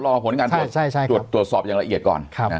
รอผลการตรวจตรวจสอบอย่างละเอียดก่อน